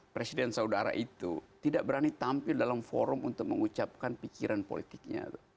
karena presiden saudara itu tidak berani tampil dalam forum untuk mengucapkan pikiran politiknya